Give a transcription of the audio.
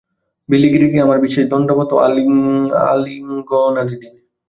বিলিগিরিকে আমার বিশেষ দণ্ডবৎ ও আলিঙ্গনাদি দিবে।